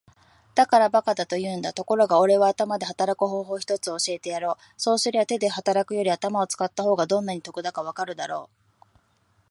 「だから馬鹿と言うんだ。ところがおれは頭で働く方法を一つ教えてやろう。そうすりゃ手で働くより頭を使った方がどんなに得だかわかるだろう。」